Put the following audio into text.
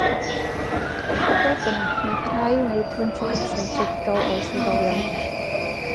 Fodd bynnag, mae'n parhau i wneud lymffocytau trwy gydol oes oedolion.